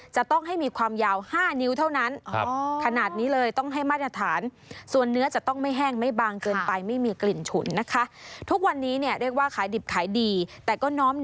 จะต้องให้มีความยาว๕นิ้วเท่านั้น